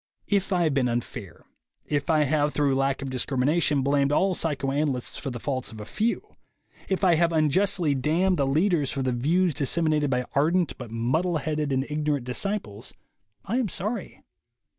If I have been unfair, if I have through lack of discrimination blamed all psychoanalysts for the faults of a few, if I have unjustly damned the leaders for the views dissem inated by ardent but muddle headed and ignorant disciples, I am sorry.